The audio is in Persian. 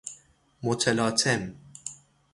متلاطم